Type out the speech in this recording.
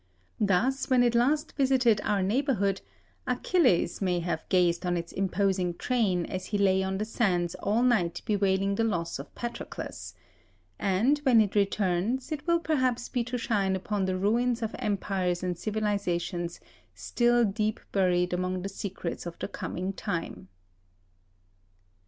Thus, when it last visited our neighbourhood, Achilles may have gazed on its imposing train as he lay on the sands all night bewailing the loss of Patroclus; and when it returns, it will perhaps be to shine upon the ruins of empires and civilizations still deep buried among the secrets of the coming time.